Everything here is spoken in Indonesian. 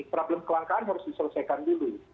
problem kelangkaan harus diselesaikan dulu